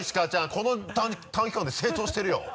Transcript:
この短期間で成長してるよ。